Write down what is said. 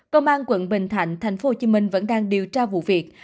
công an quận bình thạnh thành phố hồ chí minh vẫn đang điều tra vụ việc